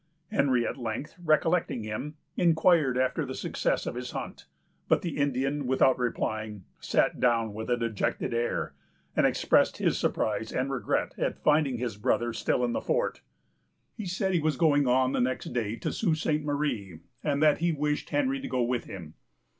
Henry, at length recollecting him, inquired after the success of his hunt; but the Indian, without replying, sat down with a dejected air, and expressed his surprise and regret at finding his brother still in the fort. He said that he was going on the next day to the Sault Ste. Marie, and that he wished Henry to go with him.